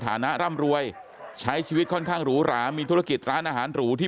ฐานะร่ำรวยใช้ชีวิตค่อนข้างหรูหรามีธุรกิจร้านอาหารหรูที่